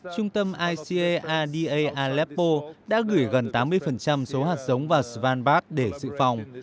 trung tâm ica ada aleppo đã gửi gần tám mươi số hạt giống vào svanbark để sự phòng